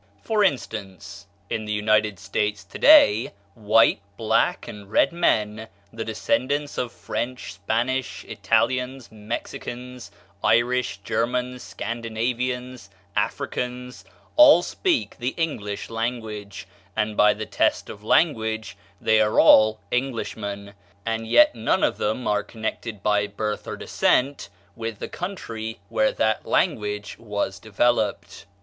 For instance, in the United States to day, white, black, and red men, the descendants of French, Spanish, Italians, Mexicans, Irish, Germans, Scandinavians, Africans, all speak the English language, and by the test of language they are all Englishmen; and yet none of them are connected by birth or descent with the country where that language was developed.